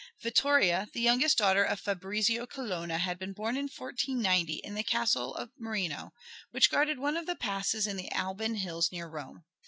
Vittoria, the youngest daughter of Fabrizio Colonna, had been born in 1490 in the Castle of Marino, which guarded one of the passes in the Alban hills near Rome.